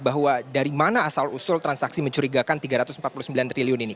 bahwa dari mana asal usul transaksi mencurigakan tiga ratus empat puluh sembilan triliun ini